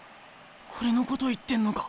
これのこと言ってんのか？